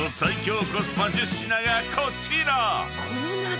コスパ１０品がこちら！］